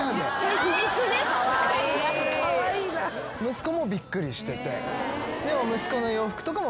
息子もびっくりしてて。